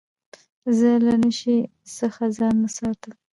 زه له نشې څخه ځان ساتم.